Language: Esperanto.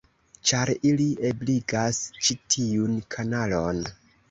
Ĉar ili ebligas ĉi tiun kanalon.